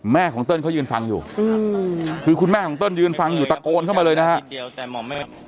ของเติ้ลเขายืนฟังอยู่คือคุณแม่ของเติ้ลยืนฟังอยู่ตะโกนเข้ามาเลยนะฮะ